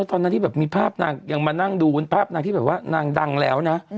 แล้วตอนนั้นที่มีภาพนางก็มานั่งดูภาพเบาะนางที่แบบว่านางดังแล้วนะ